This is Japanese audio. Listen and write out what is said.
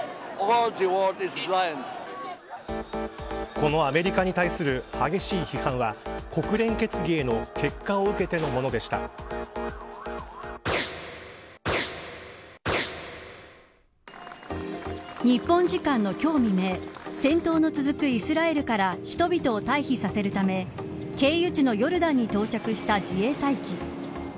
このアメリカに対する激しい批判は国連決議での結果を受けてのもので日本時間の今日未明戦闘の続くイスラエルから人々を退避させるため経由地のヨルダンに到着した自衛隊機。